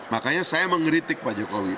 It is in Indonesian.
makanya saya mengeritik pak jokowi